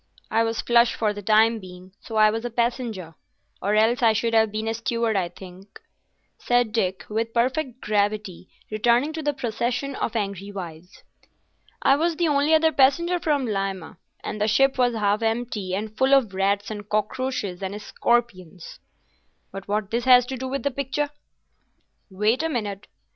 "I was flush for the time being, so I was a passenger, or else I should have been a steward, I think," said Dick, with perfect gravity, returning to the procession of angry wives. "I was the only other passenger from Lima, and the ship was half empty, and full of rats and cockroaches and scorpions." "But what has this to do with the picture?" "Wait a minute.